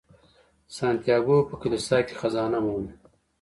سانتیاګو په کلیسا کې خزانه مومي.